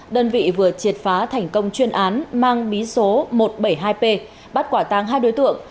đơn vị vừa triệt phá thành công chuyên án mang bí số một trăm bảy mươi hai p bắt quả tàng hai đối tượng